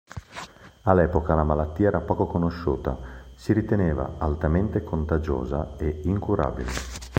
All'epoca la malattia era poco conosciuta: si riteneva altamente contagiosa e incurabile.